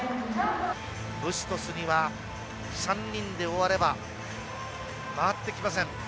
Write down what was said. ブストスには３人で終われば回ってきません。